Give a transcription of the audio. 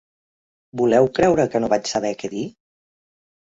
Voleu creure que no vaig saber què dir?